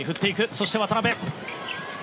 そして、渡辺。